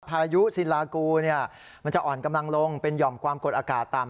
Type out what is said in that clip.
พายุศิลากูมันจะอ่อนกำลังลงเป็นหย่อมความกดอากาศต่ำ